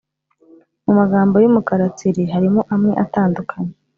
Mu magambo y’umukara tsiri harimo amwe atandukanye